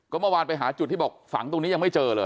เมื่อวานไปหาจุดที่บอกฝังตรงนี้ยังไม่เจอเลย